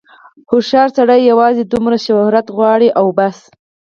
هوښیار سړی یوازې دومره شهرت غواړي او بس.